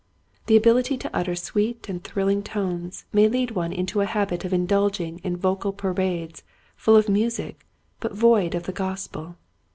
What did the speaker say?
The abihty to utter sweet and thrilling tones may lead one into a habit of indulging in vocal parades full of music but void of the Gospel.